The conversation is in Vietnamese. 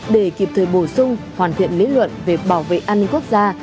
để kịp thời bổ sung hoàn thiện lý luận về bảo vệ an ninh quốc gia